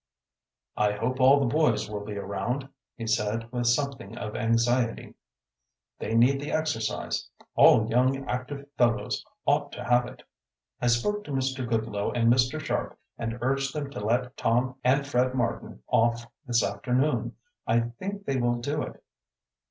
"I hope all the boys will be around," he said, with something of anxiety. "They need the exercise. All young, active fellows ought to have it. I spoke to Mr. Goodloe and Mr. Sharp and urged them to let Tom and Fred Martin off this afternoon. I think they will do it.